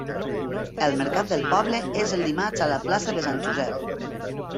El mercat del poble és el dimarts a la plaça de Sant Josep.